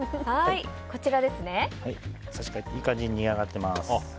いい感じに煮上がっています。